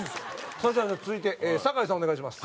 それじゃあ続いて坂井さんお願いします。